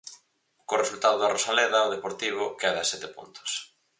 Co resultado da Rosaleda, o Deportivo queda a sete puntos.